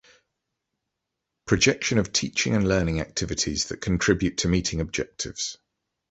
Projection of teaching and learning activities that contribute to meeting objectives.